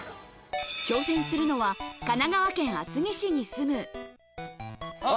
挑戦するのは神奈川県厚木市に住む。